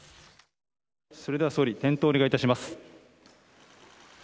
それでは総理点灯をお願いします。